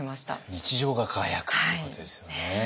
日常が輝くということですよね。